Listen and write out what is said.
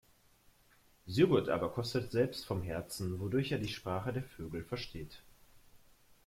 Sigurd aber kostet selbst vom Herzen, wodurch er die Sprache der Vögel versteht.